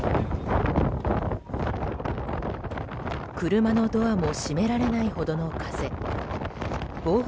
車のドアも閉められないほどの風。